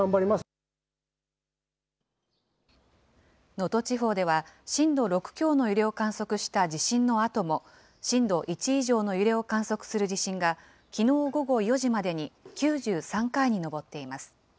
能登地方では震度６強の揺れを観測した地震のあとも、震度１以上の揺れを観測する地震が、きのう午後４時までに９３回に上っています。